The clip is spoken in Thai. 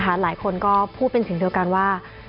หลายคนก็พูดเป็นเสียงเดียวกันว่า